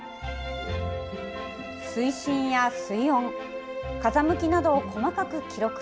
水深や水温、風向きなどを細かく記録。